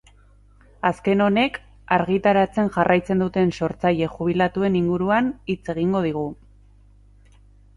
Azken honek, argitaratzen jarraitzen duten sortzaile jubilatuen inguruan hitz egingo digu.